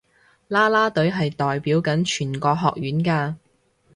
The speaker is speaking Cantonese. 啦啦隊係代表緊全個學院㗎